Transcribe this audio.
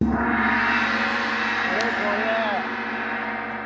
これこれ。